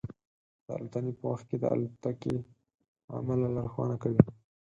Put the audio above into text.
د الوتنې په وخت کې د الوتکې عمله لارښوونه کوي.